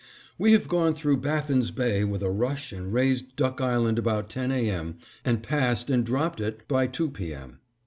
We have gone through Baffin's Bay with a rush and raised Duck Island about ten A. M. and passed and dropped it by two P. M.